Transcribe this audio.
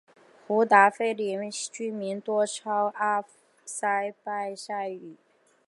胡达费林县居民多操阿塞拜疆语。